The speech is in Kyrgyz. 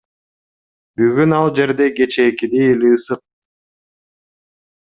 Бүгүн ал жерде кечээкидей эле ысык.